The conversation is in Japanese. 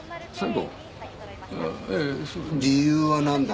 ええ理由は何だ？